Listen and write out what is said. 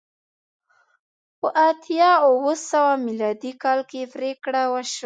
په اتیا اوه سوه میلادي کال کې پرېکړه وشوه